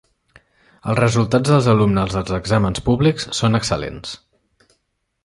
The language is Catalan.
Els resultats dels alumnes als exàmens públics són excel·lents.